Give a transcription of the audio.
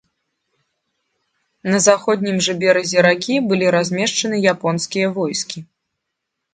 На заходнім жа беразе ракі былі размешчанымі японскія войскі.